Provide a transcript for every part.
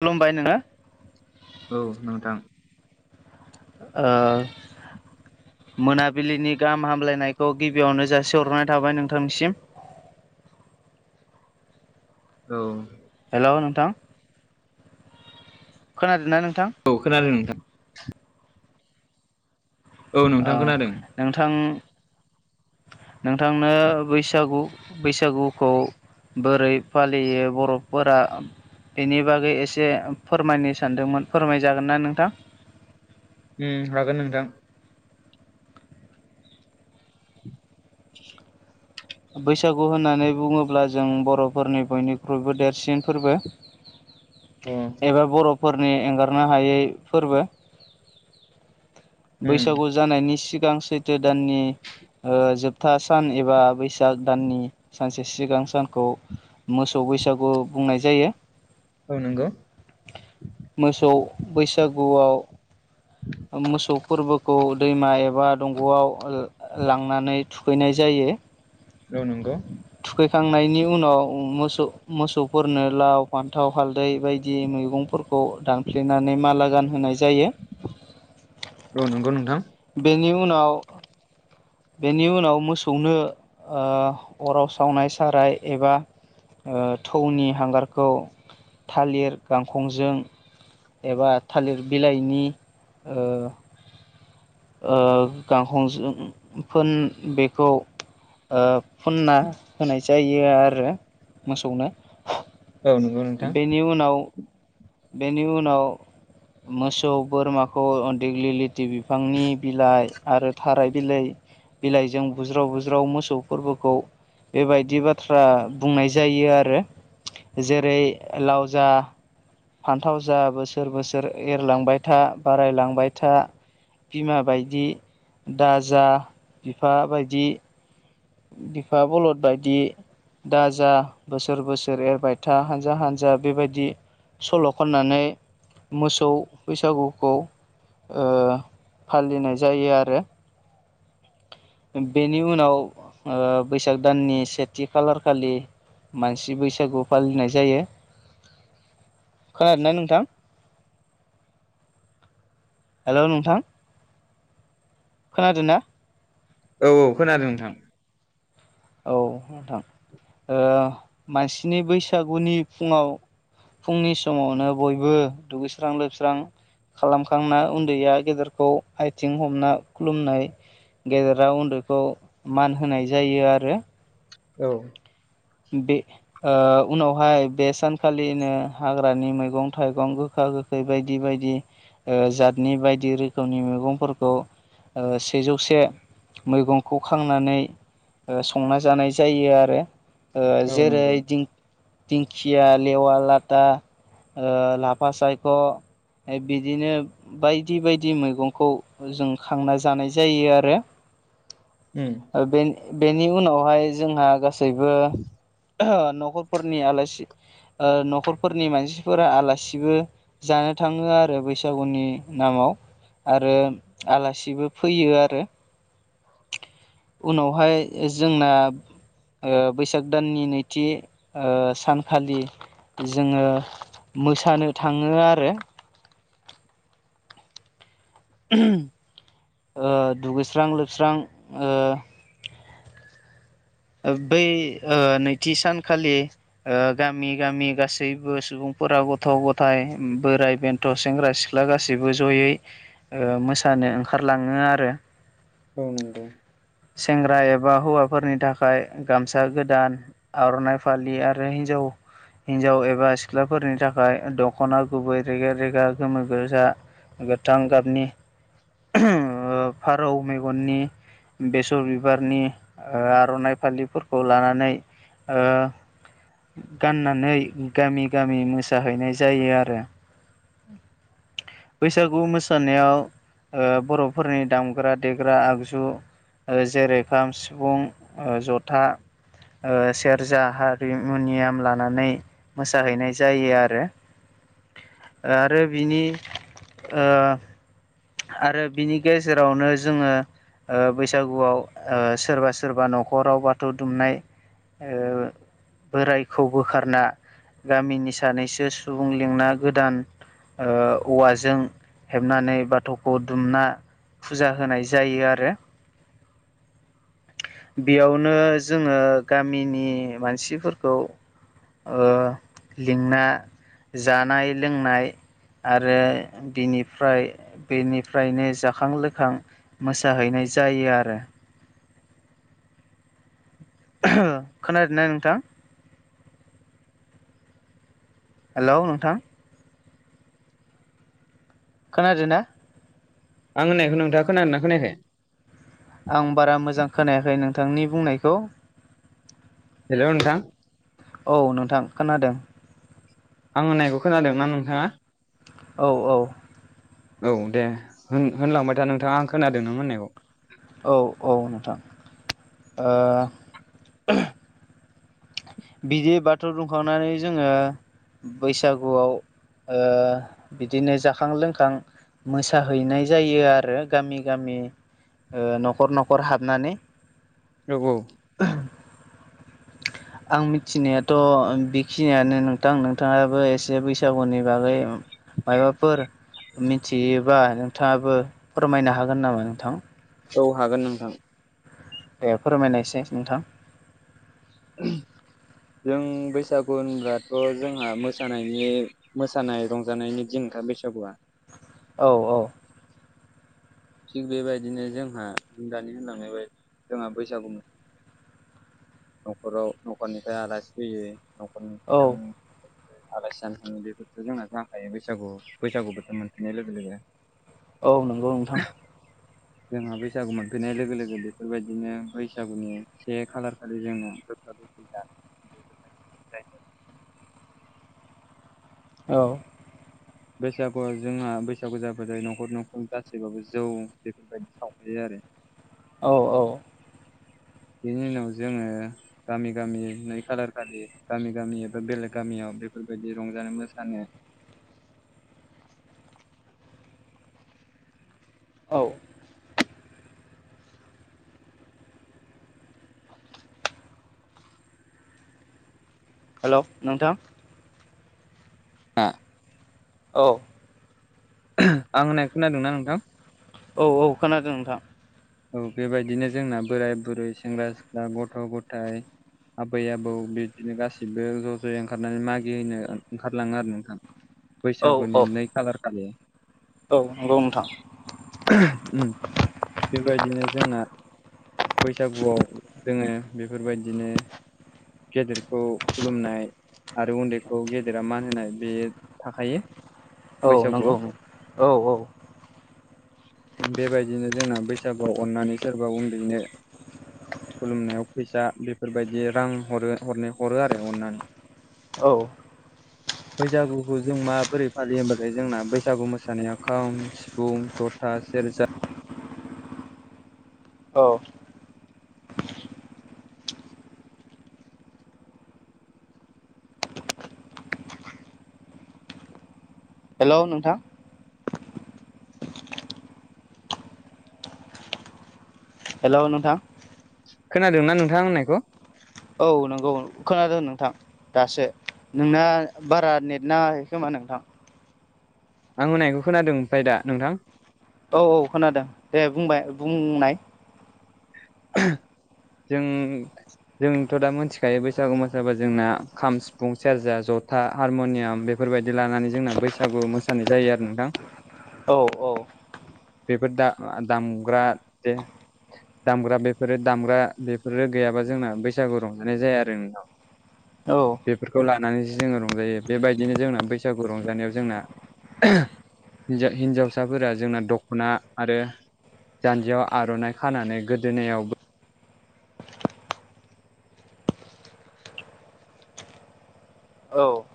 खुलुमबाय नोंथां औ नोंथां ओ मोनाबिलिनि गाहाम हामलायनायखौ गिबियावनो जासिहरनाय थाबाय नोंथांसिम [inaudible] औ हेल' नोंथां खोनादों ना नों औ खोनादों नोंथां औ नोंथां खोनादों नोंथां नोंथांनो बैसागु बैसागुखौ बोरै फालियो बर'फोरा बेनि बागै एसे फोरमायनो सानदोंमोन फोरमाय जागोन ना नोंथां हागोन नोंथां बैसागु होननानै बुङोब्ला जों बर'फोरनि बयनिख्रुइबो देरसिन फोरबो अ [unintelligible] एबा बर'फोरनि एंगारनो हायै फोरबो उम बैसागु जानायनि सिगां सैथो दाननि जोबथा सान एबा बैसाग दाननि सानसे सिगां सानखौ मोसौ बैसागु बुंनाय जायो औ नंगौ मोसौ बैसागुआव मोसौ फोरबोखौ दैमा एबा दंग'आव लांनानै थुखैनाय जायो दे औ नंगौ फैखांनायनि उनाव मोसौ मोसौफोरनो लाव फान्थाव हालदै बायदि बिदि मैगंफोरखौ दानफ्लेनानै माला गान होनाय जायो औ नंगौ नोंथां बेनि उनाव बेनि उनाव मोसौनो अराव सावनाय साराय एबा थौनि हांगारखौ थालिर गांखंजों एबा थालिर बिलाइनि गांखंजों बेखौ फुनना होनाय जायो आरो मोसौनो औ नंगौ नोंथां बेनि उनाव बेनि उनाव मोसौ बोरमाखौ दिग्लिलि थि बिफांनि बिलाइ आरो थाराय बिलाइ बिलाइजों बुज्राव बुज्राव मोसौ फोरबोखौ बेबायदि बाथ्रा बुंनाय जायो आरो जेरै लाव जा फान्थाव जा बोसोर बोसोर एरलांबाय था बारायलांबाय था बिमा बायदि दाजा बिफा बायदि बिफा बलद बायदि दा जा बोसोर बोसोर एरबायथा हानजा हानजा बेबायदि सल' खननानै मोसौ बैसागुखौ ओ फालिनाय जायो आरो बेनि उनाव बैसाग दाननि सेथि खालार खालि मानसि बैसागु फालिनाय जायो खोनादों ना नोंथां हेलौ नोंथां खोनादों ना औ औ खोनादों नोंथां औ नोंथां ओ मानसिनि बैसागुनि फुङाव फुंनि समावनो बयबो दुगैस्रां लोबस्रां खालामखांना उन्दैया गेदेरखौ आइथिं हमना खुलुमनाय गेदेरा उन्दैखौ मान होनाय जायो आरो औ बे ओ उनावहाय बे सानखालिनो हाग्रानि मैगं थाइगं गोखा गोखै बायदि बायदि ओ जातनि बायदि रोखोमनि मैगंफोरखौ ओ सेजौ से मैगंखौ खांनानै संना जानाय जायो आरो औ जेरै नंगौ दिं दिंखिया लेवा लाथा ओ लाफा सायख' बिदिनो बायदि बायदि मैगंखौ जों खांना जानाय जायो आरो उम बे बेनि उनावहाय जोंहा गासैबो न'खरफोरनि आलासि ओ न'खरफोरनि मानसिफोरा आलासिबो जानो थाङो आरो बैसागुनि नामाव आरो आलासिबो फैयो आरो उनावहाय जोंना ओ बैसाग दाननि नैथि ओ सानखालि जोङो मोसानो थाङो आरो ओ दुगैस्रां लोबस्रां ओ बै नैथि सानखालि गामि गामि गासैबो सुबुं फोरा गथ' गथाय बोराइ बेन्थ' सेंग्रा सिख्ला गासैबो जयै मोसा माने ओंखारलाङो आरो औ नंगौ सेंग्रा एबा हौवाफोरनि थाखाय गामसा गोदान आर'नाइ फालि आरो हिन्जाव हिनजाव एबा सिख्लाफोरनि थाखाय दख'ना गुबै रेगे रेगां गोमो गोजा गोथां गाबनि फारौ मेगननि बेसर बिबारनि आर'नाइ फालिफोरखौ लानानै ओ गाननानै गामि गामि मोसाहैनाय जायो आरो उ [inaudible] बैसागु मोसानायाव ओ बर'फोरनि दामग्रा देग्रा आगजु ओ जेरैखाम सिफुं जथा ओ सेरजा हारिमुनियाम लानानै मोसाहैनाय जायो आरो आरो बिनि ओ आरो बिनि गेजेरावनो जोङो बैसागुआव सोरबा सोरबा न'खराव बाथौ दुमनाय बोरायखौ बोखारना गामिनि सानैसो सुबुं लिंना गोदान औवाजों हेबनानै बाथौ गुदिखौ दुमना फुजा होनाय जायो आरो बेयावनो जोङो गामिनि मानसिफोरखौ लिंना जानाय लोंनाय आरो बिनिफ्राय बेनिफ्रायनो जाखां लोखां मोसाहैनाय जायो आरो [inaudible] खोनादोंनाय नोंथां हेल' नोंथां खोनादों ना आं होननायखौ नोंथाङा खोनादोंना खोनायाखै आं बारा मोजां खोनायाखै नोंथांनि बुंनायखौ हेल' नोंथां औ नोंथां खोनादों आं होननायखौ खोनादों ना नोंथाङा औ औ औ दे होनलांबाय दा नोंथाङा आं खोनादों नों होननायखौ औ औ नोंथां बिदि बाथौ दुमखांनानै जोङो बैसागुआव बिदिनो जाखां लोंखां मोसाहैनाय जायो आरो गामि गामि न'खर न'खर हाबनानै औ औ [inaudible] आं मिथिनायाथ' बेखिनियानो नोंथां नोंथाङाबो एसे बैसागुनि बागै माबाफोर मिथियोबा नोंथाङाबो फोरमायनो हागोन नामा नोंथां औ हागोन नोंथां दे फोरमायनायसै नोंथां [inaudible] जों बैसागु होनब्लाथ' जोंहा मोसानायनि मोसानाय रंजानायनि दिनाव बैसागुआ औ-औ थिग बेबायदिनो जोंहा [unintelligible] दानि होनलांनाय जोंहा बैसागु [unintelligible] [inaudible] न'खराव न'खरनिफ्राय आलासि फैयो न'खरनि औ जोंनि आलासि जानो थाङो बेफोरथ' जोंना जाखायो बैसागु बैसागु बोथोर मोनफैनाय लोगो लोगो औ नंगौ नोंथां जोंहा बैसागु मोनफैनाय लोगो लोगो बेफोरबायदिनो बैसागुनि से खालार खालि जोङो जायो [inaudible] औ बैसागुआ जोंहा बैसागु जाबा जायो न'खर न'खर गासैबाबो जौ बेफोरबायदि सावहैयो आरो [unintelligible] औ-औ बेनि उनाव जोङो गामि गामि नै खालार खालि गामि गामि एबा बेलेग गामियाव बेफोरबायदि रंजानो मोसानो [inaudible] औ हेलौ नोंथां [unintelligible] औ आं होननायखो खोनादोंना नोंथां? औ औ खोनादों नोंथां औ बेबायदिनो जोंना बोराय बुरै सेंग्रा सिख्ला गथ' गथाय आबै आबौ बिदिनो गासिबो ज' ज'यै ओंखारनानै मागिहैनो ओंखारलाङो आरो नोंथां। औ बैसागुनि औ नै खालार खालि औ नंगौ नोंथां [inaudible] बिदिनो जोंना बैसागुआव जोङो बेफोरबायदिनो गेदेरखौ खुलुमनाय आरो उन्दैखौ गेदेरा मान होनाय बे थाखायो। औ बैसागुआव नंगौ औ औ बेबायदिनो जोंना बैसा गुआव अननानै सोरबा उन्दैनो खुलुमनायाव फैसा बेफोरबायदि रां हरो हरनो हरो आरो अननानै औ बैसागुखौ जों माबोरै फालियो होनोमबाथाय जोंना बैसागु मोसानाया खाम सिफुं जथा सेज [unintelligible] [inaudible] औ हेल' नोंथां हेल' नोंथां खोनादोंना नोंथां आं होननायखौ? औ नंगौ खोनादों नोंथां दासो नोंना बारा नेट नाङाखै खोमा नोंथां? आं होनायखौ खोनादों ओमफ्राय दा नोंथां? औ औ खोनादों दे बुंबाय बुंनाय जों जोंथ' दा मिथिखायो बैसागु मोसाबा जोंना खाम सिफुं सेरजा जथा हारमुनियाम बेफोर फोरबायदि लानानै जोंना बैसागु मोसानाय जायो आरो नोंथां। औ औ बेफोर दा दामग्रा जे दामग्रा बेफोरो दामग्रा बेफोरो गैयाबा जोंना बैसागु रंजानाय जाया आरो नोंथां।। औ बेफोरखौ लानानैसो जोङो रंजायो बेबायदिनो जोंना बैसागु रंजानायाव जोंना हिनजावसाफोरा जोंना दख'ना आरो जानजियाव आर'नाइ खानानै गोदोनायावबो औ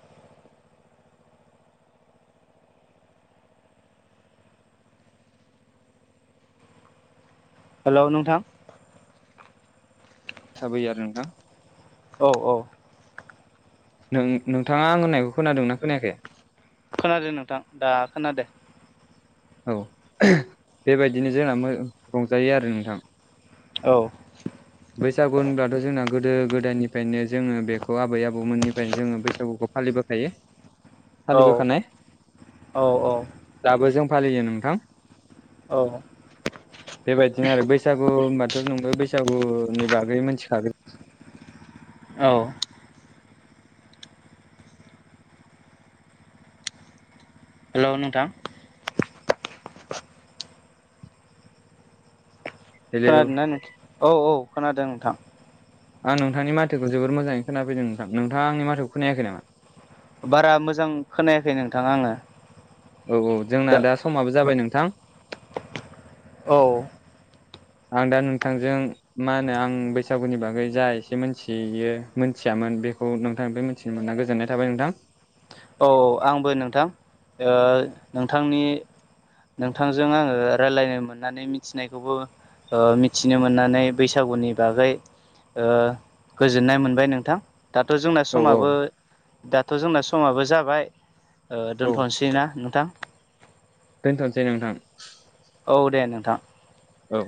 हेलौ नोंथां। साबै आरो नोंथां औ औ नों नोंथाङा आं होननायखौ खोनादों ना खोनायाखै? खोनादों नोंथां दा खोनादों? औ बेबायदिनो जोंना रंजायो आरो नोंथां। औ बैसागु होनब्लाथ' जोंना गोदो गोदायनिफ्रायनो जोङो बेखौ आबै आबौमोननिफ्रायनो जोङो बैसागुखौ फालियो। बोखायो औ औ औ दाबो जों फालियो नोंथां। औ बेबायदिनो आरो बैसागु होनबाथ' नों‌ बे बैसागु गुनि बागै मोनथि खागोन। औ हेलौ नोंथां हेलौ खोनादोंना नों औ औ खोनादों नोंथां आं नोंथांनि माथोखौ जोबोर मोजाङै खोनाफैदों नोंथां नोंथाङा आंनि माथोखौ खोनायाखै नामा? बारा मोजां खोनायाखै नोंथाङा आङो औ औ जोंना दा समाबो जाबाय नोंथां औ आं दा नोंथांजों मा होनो आं बैसागुनि बागै जा एसे मोनथियो मोनथियामोन बेखौ नोंथांनिफाय मिथिनो मोनना गोजोननाय थाबाय नोंथां औ आंबो नोंथां ओ नोंथांनि नोंथांजों आङो रायलायनो मोननानै मिथिनायखौबो ओ मिथिनो मोननानै बैसागुनि बागै ओ गोजोननाय मोनबाय नोंथां दाथ' जोंना औ औ समाबो दाथ' जोंना समाबो जाबाय ओ औ दोनथ'नोसै ना नोंथां? दोनथ'सै नोंथां औ दे नोंथां औ